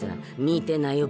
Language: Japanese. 見てなよ